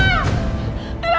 bella kamu dimana bella